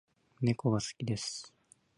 猫が好きです